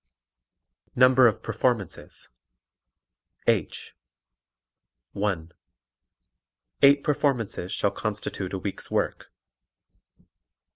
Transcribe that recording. Number of Performances H. (1) Eight performances shall constitute a week's work.